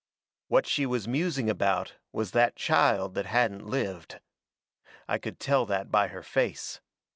What she was musing about was that child that hadn't lived. I could tell that by her face.